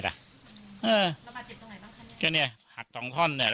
บอกแล้วบอกแล้วบอกแล้ว